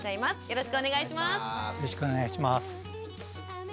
よろしくお願いします。